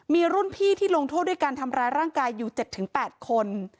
มีรุ่นพี่ที่ลงโทษด้วยการทำร้ายร่างกายอยู่๗๘คน